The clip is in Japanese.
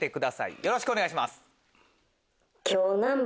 よろしくお願いします。